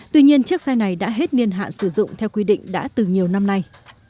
tuy nhiên chiếc xe này đã hết niên hạn sử dụng theo quy định đã từ nhiều năm nay